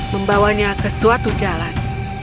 membawanya ke suatu jalan